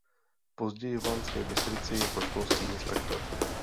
Později v Banské Bystrici jako školský inspektor.